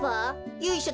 ゆいしょ